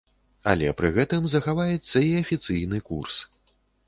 Але пры гэтым захаваецца і афіцыйны курс.